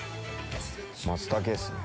松茸ですね。